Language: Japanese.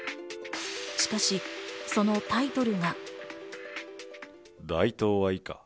しかし、そのタイトルが。